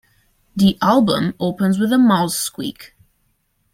The album opens with a mouse squeak.